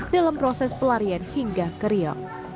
dalam proses pelarian hingga ke rio